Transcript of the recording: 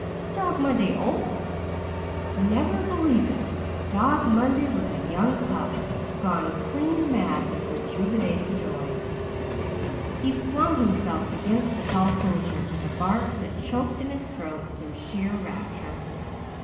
Dog Monday old? Never believe it. Dog Monday was a young pup, gone clean mad with rejuvenating joy. He flung himself against the tall soldier, with a bark that choked in his throat from sheer rapture.